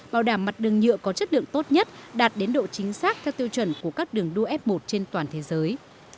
bảo đảm mặt đường nhựa có chất lượng tốt nhất đạt đến độ chính xác theo tiêu chuẩn của các đường đua f một trên toàn thế giới